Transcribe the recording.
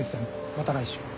また来週。